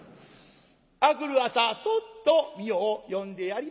明くる朝そっとみよを呼んでやりまして。